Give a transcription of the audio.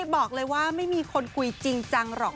บอกเลยว่าไม่มีคนคุยจริงจังหรอก